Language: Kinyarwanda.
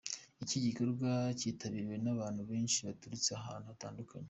Iki gikorwa kitabiriwe n'abantu benshi baturutse ahantu hatandukanye.